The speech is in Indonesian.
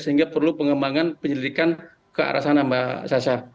sehingga perlu pengembangan penyelidikan ke arah sana mbak sasa